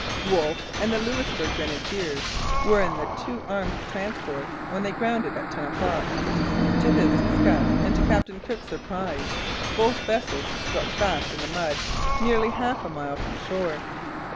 Wolfe and the Louisbourg Grenadiers were in the two armed transports when they grounded at ten o'clock. To his disgust and to Captain Cook's surprise both vessels stuck fast in the mud nearly half a mile from shore.